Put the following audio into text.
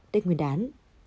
tết nguyên đán